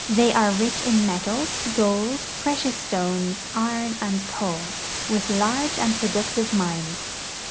They are rich in metals — gold, precious stones, iron, and coal — with large and productive mines.